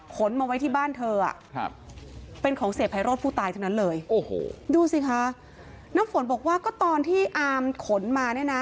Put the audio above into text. มาไว้ที่บ้านเธอเป็นของเสียไพโรธผู้ตายทั้งนั้นเลยโอ้โหดูสิคะน้ำฝนบอกว่าก็ตอนที่อามขนมาเนี่ยนะ